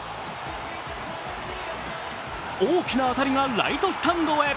大きな当たりがライトスタンドへ。